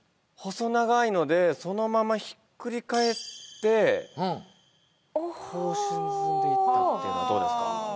細長いのでそのままひっくり返ってこう沈んでいったってのはどうですか？